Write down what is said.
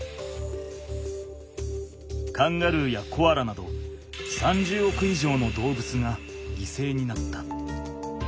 カンガルーやコアラなど３０億以上の動物がぎせいになった。